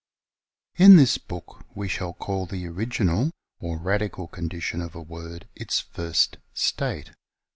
In this book we shall call the original or radical condition of a word its FIRST STATE.